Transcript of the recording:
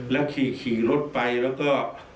แล้วขี่รถไปแล้วก็